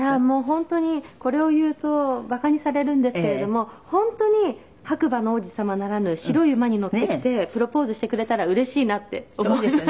「本当にこれを言うとバカにされるんですけれども本当に白馬の王子様ならぬ白い馬に乗ってきてプロポーズしてくれたらうれしいなって思います」